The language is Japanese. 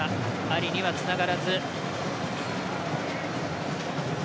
アリにはつながらず。